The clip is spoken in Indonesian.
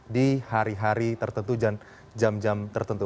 di hari hari tertentu dan jam jam tertentu